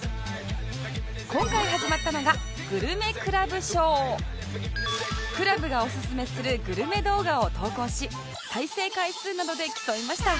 今回始まったのがクラブがおすすめするグルメ動画を投稿し再生回数などで競いました